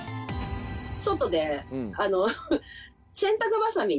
外で。